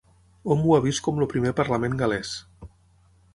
Hom ho ha vist com el primer Parlament gal·lès.